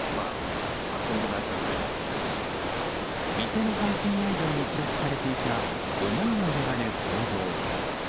店の配信映像に記録されていた思いもよらぬ行動。